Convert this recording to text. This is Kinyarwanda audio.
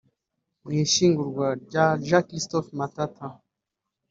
Mu ishyingurwa rya Jean Christophe Matata